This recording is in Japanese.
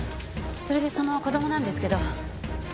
それでその子供なんですけど。